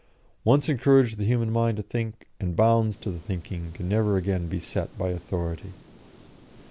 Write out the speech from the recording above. Once encourage the human mind to think, and bounds to the thinking can never again be set by authority.